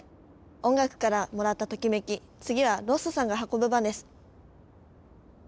音楽からもらったトキメキ次はロッソさんが運ぶ番です。